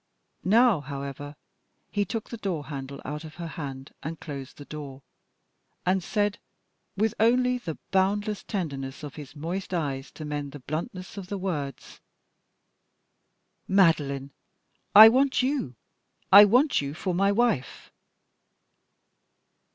Now, however, he took the door handle out of her hand and closed the door, and said, with only the boundless tenderness of his moist eyes to mend the bluntness of the words "Madeline, I want you. I want you for my wife."